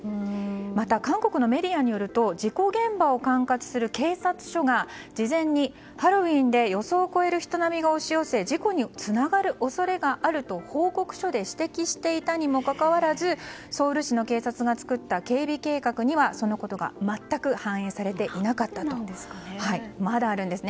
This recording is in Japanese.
また、韓国のメディアによると事故現場を管轄する警察署が事前にハロウィーンで予想を超える人波が押し寄せ事故につながる恐れがあると報告書で指摘していたにもかかわらずソウル市の警察が作った警備計画にはそのことが全く反映されていなかったんです。